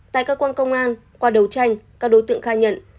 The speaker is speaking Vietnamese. tại các quan công an qua đấu tranh các đối tượng khai nhận